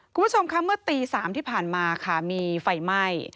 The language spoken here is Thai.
คุณผู้ชมค่ะเมื่อตี๓ที่ผ่านมาค่ะมีไฟไหม้